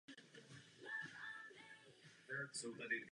Jejich bojovníci jsou nejlépe cvičení vojáci planety.